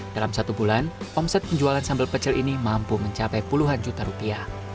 dalam satu bulan omset penjualan sambal pecel ini mampu mencapai puluhan juta rupiah